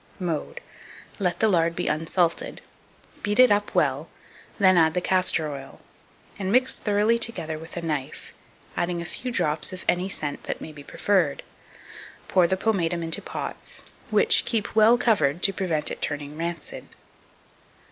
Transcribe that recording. Mode. Let the lard be unsalted; beat it up well; then add the castor oil, and mix thoroughly together with a knife, adding a few drops of any scent that may be preferred. Put the pomatum into pots, which keep well covered to prevent it turning rancid.